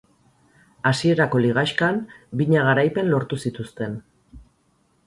Hasierako ligaxkan bina garaipen lortu zituzten.